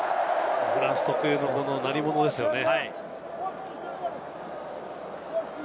フランス特有の鳴り物ですよね。